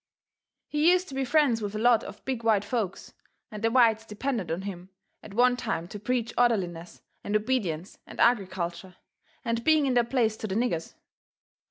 He used to be friends with a lot of big white folks, and the whites depended on him at one time to preach orderliness and obedience and agriculture and being in their place to the niggers.